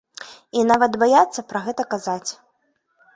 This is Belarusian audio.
І нават баяцца пра гэта казаць.